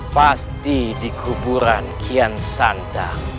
pasti di kuburan kian sandang